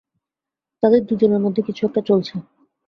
তাদের দুজনের মধ্যে কিছু একটা চলছে।